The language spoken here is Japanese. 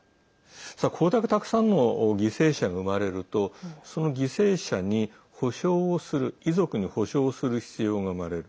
これだけたくさんの犠牲者が生まれるとその犠牲者に補償をする遺族に補償をする必要が生まれる。